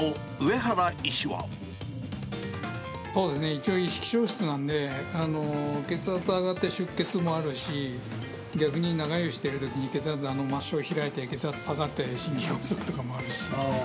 そうですね、一応、意識消失なんで、血圧上がって出血もあるし、逆に長湯をしているときに、血圧が、末しょう開いて血圧下がって、心筋梗塞とかもあるし。